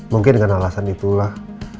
mungkin dengan alasan itulah